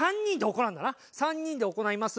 ３人で行います。